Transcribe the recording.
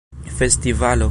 festivalo